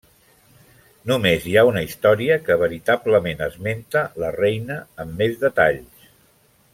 Només hi ha una història que veritablement esmenta la reina amb més detalls.